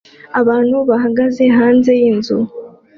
Abantu bahagaze hanze yinzu